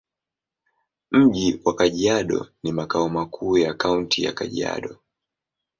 Mji wa Kajiado ni makao makuu ya Kaunti ya Kajiado.